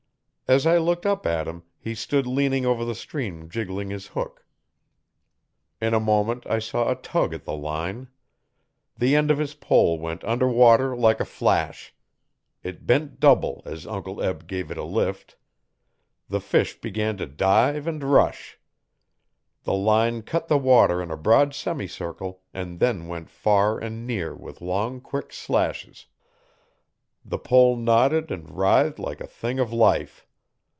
As I looked up at him he stood leaning over the stream jiggling his hook. In a moment I saw a tug at the line. The end of his pole went under water like a flash. It bent double as Uncle Eb gave it a lift. The fish began to dive and rush. The line cut the water in a broad semicircle and then went far and near with long, quick slashes. The pole nodded and writhed like a thing of life.